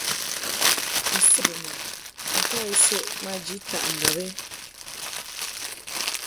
U ni nsɛnti mbum u njə ŋka isəʼɨ maji taʼ ŋgab?